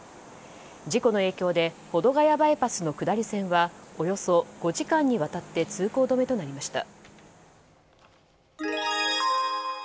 事故の影響で保土ヶ谷バイパスの下り線はおよそ５時間にわたって通行止めとなりました。